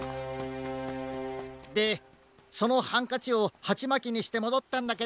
でそのハンカチをハチマキにしてもどったんだけど。